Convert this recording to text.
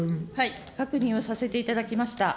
確認をさせていただきました。